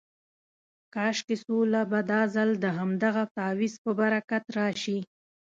کاشکې سوله به دا ځل د همدغه تعویض په برکت راشي.